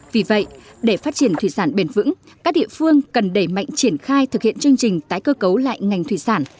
vì vậy để phát triển thủy sản bền vững các địa phương cần đẩy mạnh triển khai thực hiện chương trình tái cơ cấu lại ngành thủy sản